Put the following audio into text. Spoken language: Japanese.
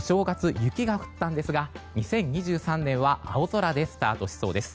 雪が降ったんですが２０２３年は青空でスタートしそうです。